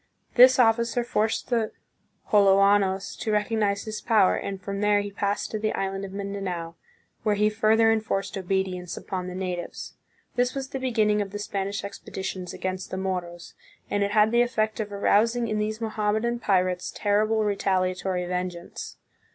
This officer forced the Joloanos to recognize his power, and from there he passed to the island of Mindanao, where he further enforced obedience upon the natives. This was the beginning of the Spanish expeditions against the Mo ros, and it had the effect of arousing in these Moham medan pirates terrible retaliatory vengeance.